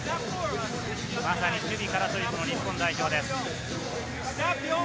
まさに守備からという日本代表です。